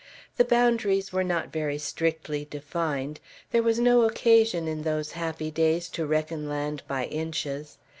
The boundaries were not very strictly defined; there was no occasion, in those happy days, to reckon land by inches.